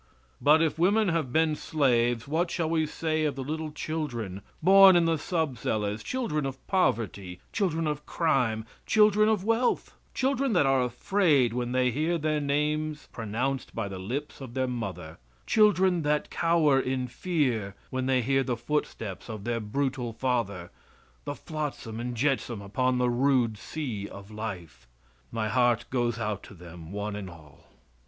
But if women have been slaves, what shall we say of the little children, born in the sub cellars, children of poverty, children of crime, children of wealth, children that are afraid when they hear their names pronounced by the lips of their mother, children that cower in fear when they hear the footsteps of their brutal father, the flotsam and jetsam upon the rude sea of life, my heart goes out to them one and all.